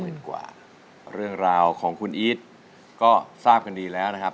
กว่าเรื่องราวของคุณอีทก็ทราบกันดีแล้วนะครับ